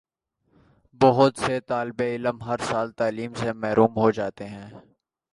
بہت سے طالب علم ہر سال تعلیم سے محروم ہو جاتے ہیں